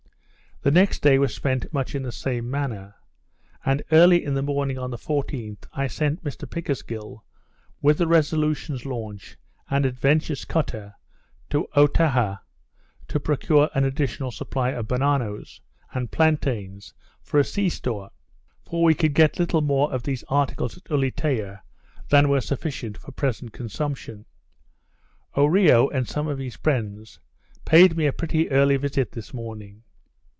The following day was spent much in the same manner; and early in the morning of the 14th, I sent Mr Pickersgill, with the Resolution's launch, and Adventure's cutter, to Otaha, to procure an additional supply of bananoes, and plantains, for a sea store; for we could get little more of these articles at Ulietea than were sufficient for present consumption. Oreo, and some of his friends, paid me a pretty early visit this morning.